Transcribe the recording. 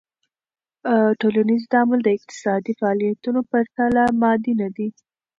ټولنیز تعامل د اقتصادی فعالیتونو په پرتله مادي ندي.